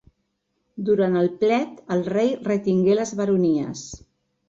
Durant el plet el rei retingué les baronies.